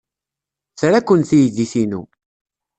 Tra-ken teydit-inu.